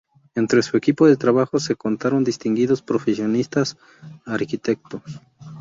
Entre su equipo de trabajo se contaron distinguidos profesionistas: Arq.